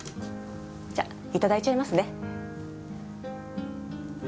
じゃあいただいちゃいますね。